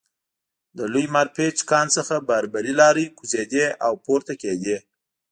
له لوی مارپیچ کان څخه باربري لارۍ کوزېدې او پورته کېدې